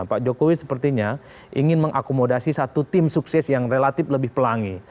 pak jokowi sepertinya ingin mengakomodasi satu tim sukses yang relatif lebih pelangi